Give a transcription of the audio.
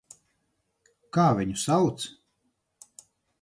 Kā viņu sauc?